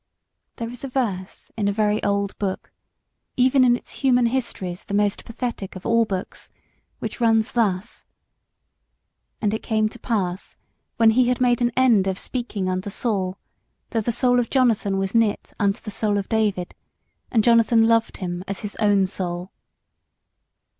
There is a verse in a very old Book even in its human histories the most pathetic of all books which runs thus: "And it came to pass when he had made an end of speaking unto Saul, that the soul of Jonathan was knit unto the soul of David; and Jonathan loved him as his own soul."